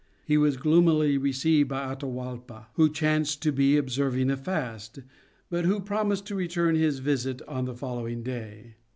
He was gloomily received by Atahualpa, who chanced to be observing a fast, but who promised to return his visit on the following day.